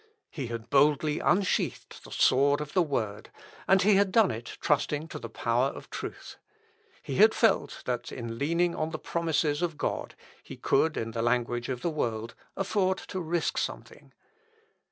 He had boldly unsheathed the sword of the Word, and he had done it trusting to the power of truth. He had felt, that in leaning on the promises of God he could, in the language of the world, afford to risk something.